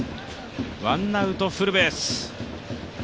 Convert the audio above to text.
ワンアウト、フルベース。